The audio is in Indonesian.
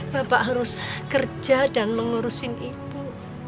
bapak harus kerja dan mengurusin ibu